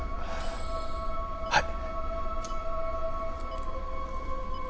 はい。